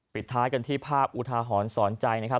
ปิดท้ายกันที่ภาพอุทาหรณ์สอนใจนะครับ